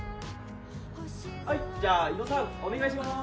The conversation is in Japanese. はいじゃあ井戸さんお願いしまーす。